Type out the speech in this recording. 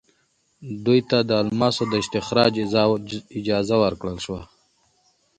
دوی ته د الماسو د استخراج اجازه ورکړل شوه.